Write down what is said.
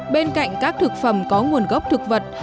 bên cạnh các thực phẩm có nguồn gốc thực vật